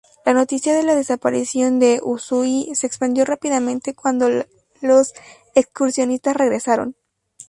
La noticia de la desaparición de Usui se expandió rápidamente cuando los excursionistas regresaron.